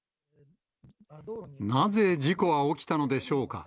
なぜ、事故は起きたのでしょうか。